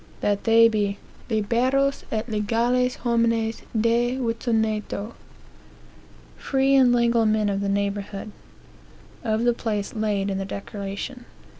that they be liberos et legales homines de vincineto (free and legal men of the neighborhood) of the place laid in the declaration," &c.